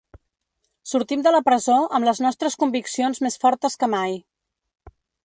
Sortim de la presó amb les nostres conviccions més fortes que mai.